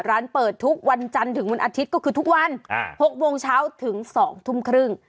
ร้านเปิดทุกวันจันทร์ถึงวันอาทิตย์ก็คือทุกวัน๖โมงเช้าถึง๒ทุ่มครึ่ง